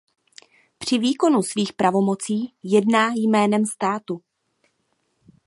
Při výkonu svých pravomocí jedná jménem státu.